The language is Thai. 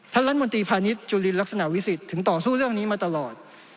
รัฐมนตรีพาณิชย์จุลินลักษณะวิสิทธิ์ถึงต่อสู้เรื่องนี้มาตลอด